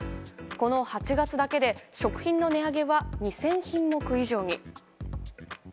この８月だけで食品の値上げは２０００品目以上に。